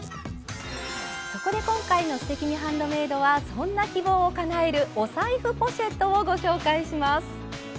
そこで今回の「すてきにハンドメイド」はそんな希望をかなえるお財布ポシェットをご紹介します。